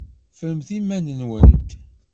Ffremt iman-nwent!